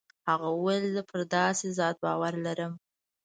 هغه وويل زه پر داسې ذات باور لرم.